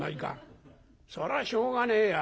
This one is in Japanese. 「そりゃしょうがねえや。